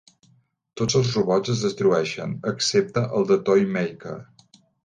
Tots els robots es destrueixen excepte el de Toymaker.